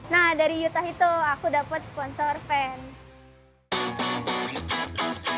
nah dari utah itu aku dapat sponsor vans